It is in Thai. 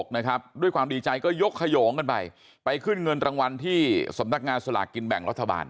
ด้วยความดีใจก็ยกขยงกันไปไปขึ้นเงินรางวัลที่สำนักงานสลากกินแบ่งรัฐบาล